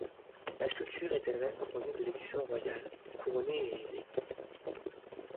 La sculpture est elle-même couronnée de l'écusson royal, couronné et ailé.